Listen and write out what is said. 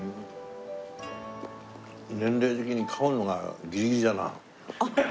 年齢的に噛むのがギリギリだな。